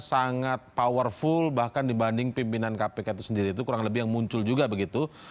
sangat powerful bahkan dibanding pimpinan kpk itu sendiri itu kurang lebih yang muncul juga begitu